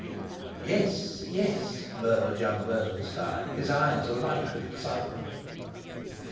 "Yes, yes," murmured young Bernenstein, his eyes alight with excitement.